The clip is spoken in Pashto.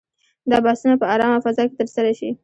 دا بحثونه په آرامه فضا کې ترسره شي.